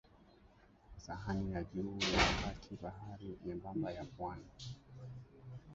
sahani ya juu ya kati bahari nyembamba ya pwani